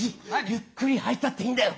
ゆっくりはいたっていいんだよ。